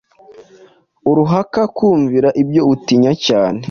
Urahaka kumvira ibyo utinya cyane